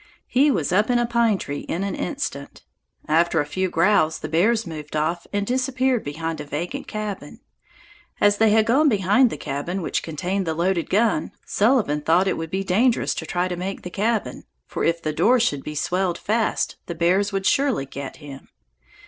He was up a pine tree in an instant. After a few growls the bears moved off and disappeared behind a vacant cabin. As they had gone behind the cabin which contained the loaded gun, Sullivan thought it would be dangerous to try to make the cabin, for if the door should be swelled fast, the bears would surely get him.